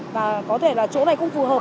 và có thể là chỗ này không phù hợp